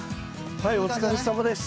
はいお疲れさまです。